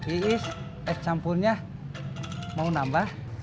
iis es campurnya mau nambah